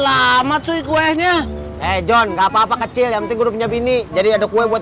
lama cuy kuenya eh john nggak apa apa kecil yang penting gue punya bini jadi ada kue buat